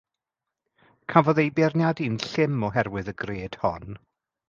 Cafodd ei beirniadu'n llym oherwydd y gred hon.